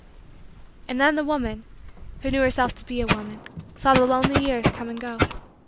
And then the woman, who knew herself to be a woman, saw the lonely years come and go.